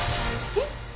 えっ？